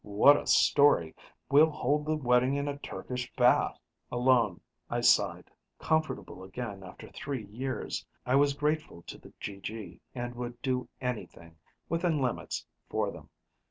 "What a story! We'll hold the wedding in a Turkish Bath." Alone, I sighed, comfortable again after three years. I was grateful to the GG, and would do anything, within limits, for them.